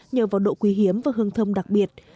nhờ vào độ quý hiếm và hương thơm đặc biệt